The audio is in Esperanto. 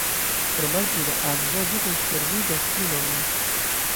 Pro malpli da akvo ĝi konserviĝas pli longe.